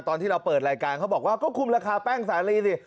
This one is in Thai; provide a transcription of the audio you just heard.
ตอนที่เราเปิดรายการเขาบอกว่าก็คุมราคาแป้งสาลีสิ